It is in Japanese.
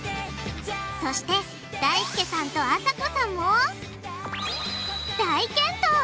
そしてだいすけさんとあさこさんも大健闘！